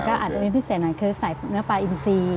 ก็อาจจะมีพิเศษหน่อยคือใส่เนื้อปลาอินซี